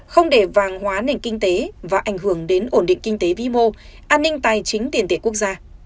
không để vàng hóa nền kinh tế và ảnh hưởng đến ổn định kinh tế vĩ mô an ninh tài chính tiền tệ quốc gia